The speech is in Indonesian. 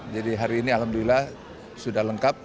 jadi hari ini alhamdulillah sudah lengkap